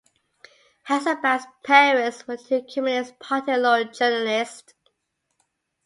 Hasselbach's parents were two Communist-party loyal journalists.